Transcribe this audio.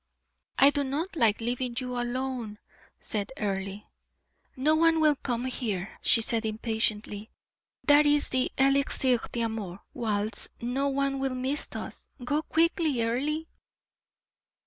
"I do not like leaving you alone," said Earle. "No one will come here," she said impatiently. "That is the 'Elisir d'Amor' waltz no one will miss us. Go quickly, Earle."